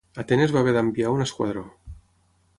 Atenes va haver d'enviar un esquadró.